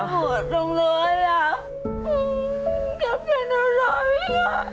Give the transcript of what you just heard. โอ้ยหัวตรงเลยอ่ะเจ็บกันอะไร